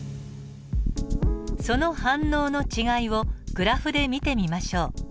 その反応の違いをグラフで見てみましょう。